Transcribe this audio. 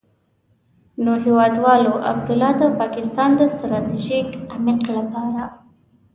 نو هېوادوالو، عبدالله د پاکستان د ستراتيژيک عمق لپاره.